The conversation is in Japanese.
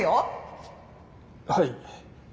はい。